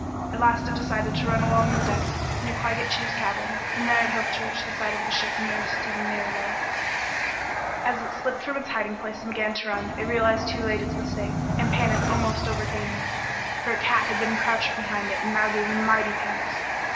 At last it decided to run along the deck near Claggett Chew's cabin. From there it hoped to reach the side of the ship nearest to the Mirabelle. As it slipped from its hiding place and began its run, it realized too late its mistake, and panic almost overcame it. For a cat had been crouched behind it and now gave a mighty pounce.